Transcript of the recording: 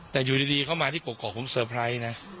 แต่อยู่ดีเข้ามาที่กรอกผมเซอร์ไพรส์นะ